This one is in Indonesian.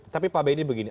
tapi pak benny begini